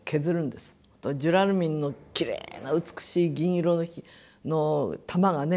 ジュラルミンのきれいな美しい銀色の玉がね